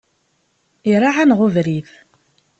Iraɛ-aneɣ ubrid.